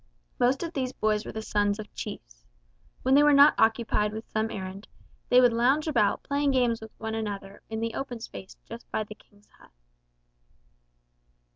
Most of these boys were the sons of chiefs. When they were not occupied with some errand, they would lounge about playing games with one another in the open space just by the King's hut.